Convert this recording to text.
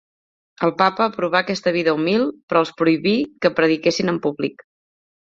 El papa aprovà aquesta vida humil, però els prohibí que prediquessin en públic.